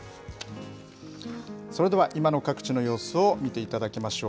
それでは今の各地の様子を見ていただきましょう。